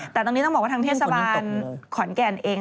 แต่ตรงนี้ต้องบอกว่าทางเทศบาลขอนแก่นเอง